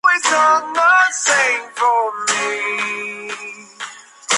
Sindicalista y revolucionario anarquista español.